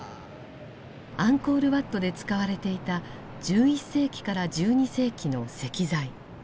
アンコール・ワットで使われていた１１世紀から１２世紀の石材。